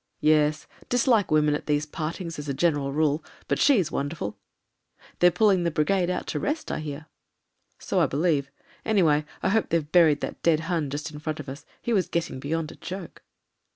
"Yes. Dislike women at these partings as a gen eral rule — ^but she's wonderful." They're pulling the brigade out to rest, I hear." ^So I believe. Anyway, I hope they've buried that dead Hun just in front of us. He was getting beyond a joke.